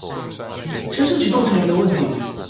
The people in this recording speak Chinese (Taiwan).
牽涉其中成員的問題